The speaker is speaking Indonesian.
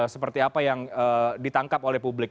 seperti apa yang ditangkap oleh publik